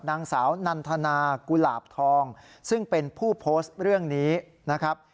นางสาวนันทนากุหลาบทองซึ่งเป็นผู้โพสต์เรื่องนี้นะครับ